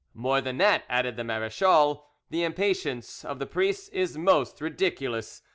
"More than that," added the marechal, "the impatience of the priests is most ridiculous.